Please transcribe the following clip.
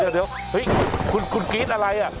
เดี๋ยวคุณกรี๊ดอะไร